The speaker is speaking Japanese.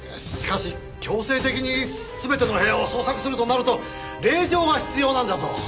しかし強制的に全ての部屋を捜索するとなると令状が必要なんだぞ。